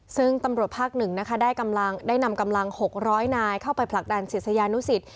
ซึ่งตำรวจภาค๑ได้กำลังได้นำกำลัง๖๐๐นายเข้าไปแผลกดันศิษยานุสิทธิ์